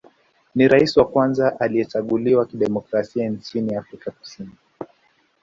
Ni rais wa kwanza aliyechaguliwa kidemokrasia nchini Afrika Kusini